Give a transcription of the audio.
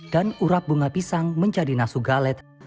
urap bunga pisang menjadi nasu galet